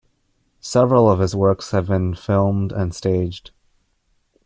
Several of his works have been filmed and staged.